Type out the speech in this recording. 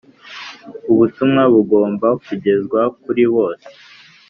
Ubutumwa bugomba kugezwa kuri bose.